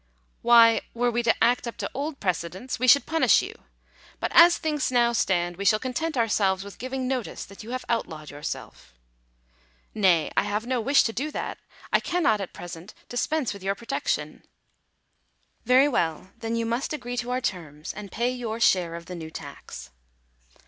"Why, were we to act up to old precedents, we should punish you; hut as things now stand we shall content our selves with giving notice that you have outlawed yourself." "Nay, I have no wish to do that; I cannot at present dis pense with your protection." " Very well, then you must agree to our terms, and pay your share of the new tax."